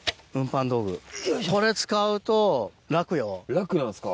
楽なんですか。